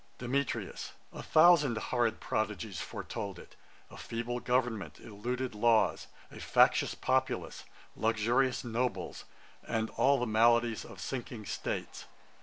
DEMETRIUS. 'A thousand horrid prodigies foretold it; A feeble government, eluded laws, A factious populace, luxurious nobles, And all the maladies of sinking States.